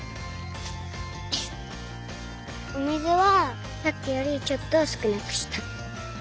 お水はさっきよりちょっとすくなくした。